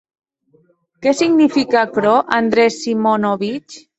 Qué signifique aquerò, Andrés Simonovitch?